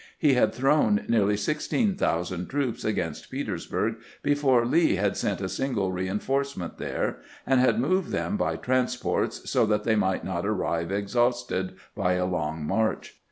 He had thrown nearly 16,000 troops against Petersburg before Lee had sent a single reinforcement there, and had moved them by transports so that they might not arrive exhausted by a long march.